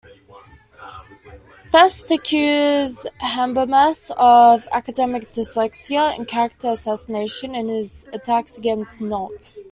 Fest accused Habermas of "academic dyslexia" and "character assassination" in his attacks against Nolte.